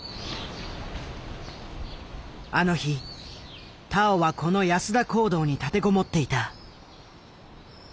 あの日田尾はこの安田講堂に立て籠もっていた。